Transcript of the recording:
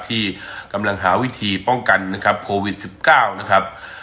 ที่กำลังหาวิธีป้องกันนะครับโควิด๑๙นะครับ